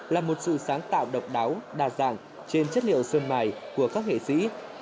là một sự sáng tạo độc đáo đa dạng trên chất liệu sơn mài của các nghệ sĩ